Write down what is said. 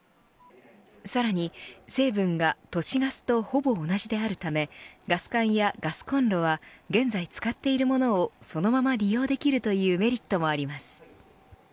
さらに成分が都市ガスとほぼ同じであるためガス管やガスコンロは現在使っているものをそのまま利用できるというメリットもあります。